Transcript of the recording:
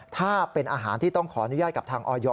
ถ้าเป็นอาหารที่ต้องขออนุญาตกับทางออย